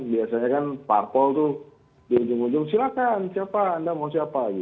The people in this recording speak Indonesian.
biasanya kan parpol itu di ujung ujung silahkan siapa anda mau siapa